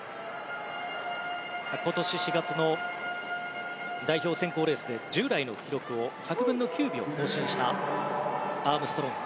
今年４月の代表選考レースで従来の記録を１００分の９秒更新したアームストロング。